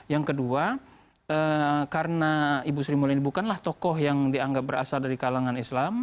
yang kedua karena ibu sri mulyani bukanlah tokoh yang dianggap berasal dari kalangan islam